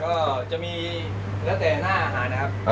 ก็จะมีแล้วแต่หน้าอาหารนะครับ